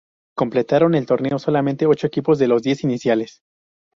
Completaron el torneo solamente ocho equipos de los diez iniciales.